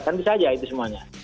kan bisa aja itu semuanya